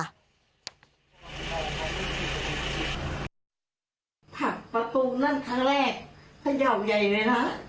ผักประตูนั่นทั้งแรกยาวใยเลยนะ